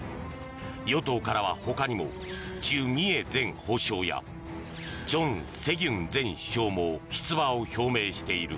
与党からは、ほかにもチュ・ミエ前法相やチョン・セギュン前首相も出馬を表明している。